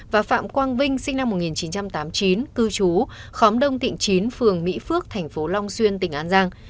và phạm quang vinh sinh năm một nghìn chín trăm tám mươi chín cư trú khóm đông tỉnh chín phường mỹ phước thành phố long xuyên tỉnh an giang